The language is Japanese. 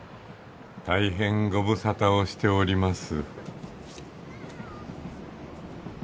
大変ご無沙汰をしております。